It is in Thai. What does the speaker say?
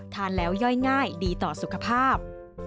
ทานแล้วย่อยง่ายดีต่อสุขภาพ